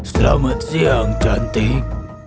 selamat siang cantik